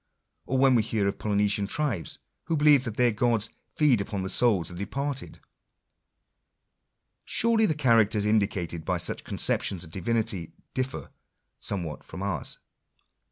or when we hear of Polynesian tribes who believe that their gods feed upon the souls of the departed ? Surely the characters indicated by such conceptions of Divinity differ somewhat from ours